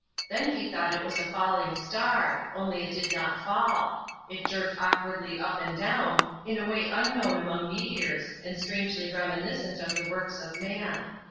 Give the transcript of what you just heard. Then he thought it was a falling star; only it did not fall. It jerked awkwardly up and down in a way unknown among meteors and strangely reminiscent of the works of man.